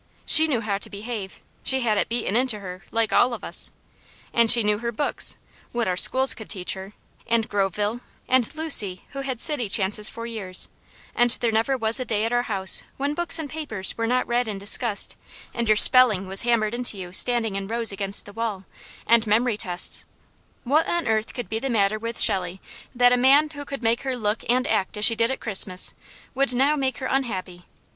She knew how to behave; she had it beaten into her, like all of us. And she knew her books, what our schools could teach her, and Groveville, and Lucy, who had city chances for years, and there never was a day at our house when books and papers were not read and discussed, and your spelling was hammered into you standing in rows against the wall, and memory tests what on earth could be the matter with Shelley that a man who could make her look and act as she did at Christmas, would now make her unhappy?